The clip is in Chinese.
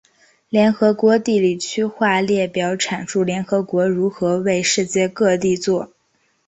联合国地理区划列表阐述联合国如何为世界各地作。